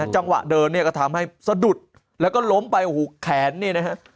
จังหวะเดินเนี่ยก็ทำให้สะดุดแล้วก็ล้มไปโอ้โหแขนเนี่ยนะฮะ